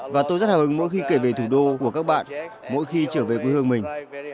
và tôi rất hào hứng mỗi khi kể về thủ đô của các bạn mỗi khi trở về quê hương mình